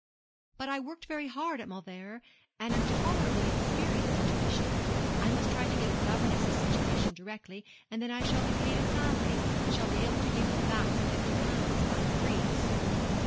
'But I worked very hard at Mauleverer, and am tolerably experienced in tuition. I must try to get a governess's situation directly, and then I shall be paid a salary, and shall be able to give you back the fifty pounds by degrees.'